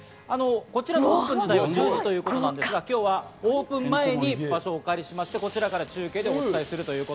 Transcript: こちらオープン自体は１０時ということですが、今日はオープン前に場所をお借りして、こちらから中継でお伝えします。